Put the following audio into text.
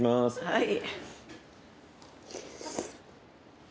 はい。